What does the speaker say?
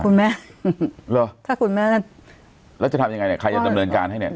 คุณแม่เหรอถ้าคุณแม่แล้วจะทำยังไงเนี่ยใครจะดำเนินการให้เนี่ย